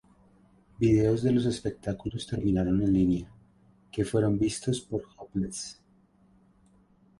Videos de los espectáculos terminaron en línea, que fueron vistos por Hopeless.